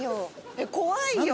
えっ怖いよ。